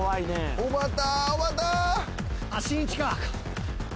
おばた！